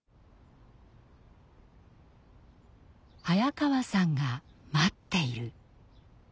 「早川さんが待っている」。